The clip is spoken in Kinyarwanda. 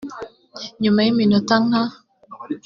nyuma y iminota nka